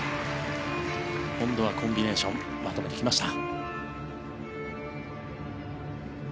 今度はコンビネーションまとめてきました。